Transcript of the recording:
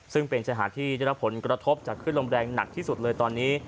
ซึ่งเป็นชายหาดที่ได้รับผลกระทบจากขึ้นลมแรงหนักที่สุดเลยตอนนี้